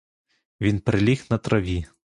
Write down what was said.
Він приліг на траві.